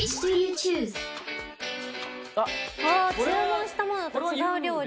あぁ注文したものと違う料理。